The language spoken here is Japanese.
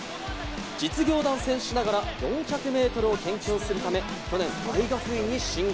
実業団選手ながら４００ｍを研究するため、去年、大学院に進学。